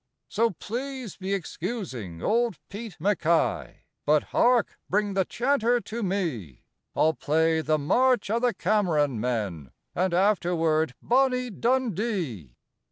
"So please be excusing old Pete MacKay But hark! bring the chanter to me, I'll play the 'March o' the Cameron Men,' And afterward 'Bonnie Dundee.'"